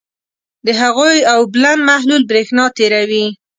د هغوي اوبلن محلول برېښنا تیروي.